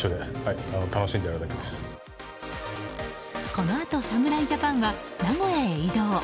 このあと侍ジャパンは名古屋へ移動。